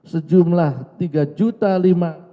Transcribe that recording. sejumlah usd tiga lima ratus usd